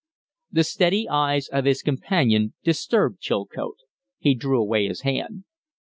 The steady eyes of his companion disturbed Chilcote. He drew away his hand.